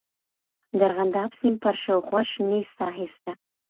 د ارغنداب سیند پر شاوخوا شنې ساحې سته.